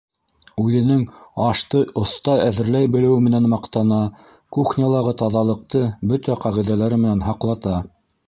Үҙенең ашты оҫта әҙерләй белеүе менән маҡтана, кухнялағы таҙалыҡты бөтә ҡағиҙәләре менән һаҡлата.